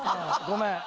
ごめん。